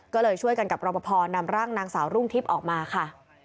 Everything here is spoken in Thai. ก็เลยช่วยกันกับรอปภนำร่างนางสาวรุ่งทิพย์ออกมาค่ะ